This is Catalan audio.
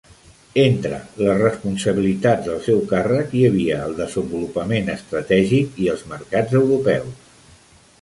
Entre les responsabilitats del seu càrrec hi havia el desenvolupament estratègic i els mercats europeus.